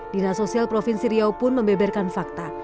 dinas sosial provinsi riau pun membeberkan fakta